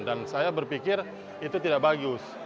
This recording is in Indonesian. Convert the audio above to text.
dan saya berpikir itu tidak bagus